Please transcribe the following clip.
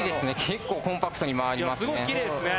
結構コンパクトに回りますね。